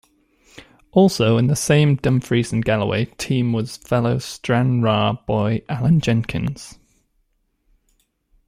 Also in the same Dumfries and Galloway team was fellow Stranraer boy Allan Jenkins.